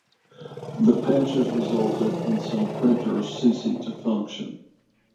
The patches resulted in some printers ceasing to function.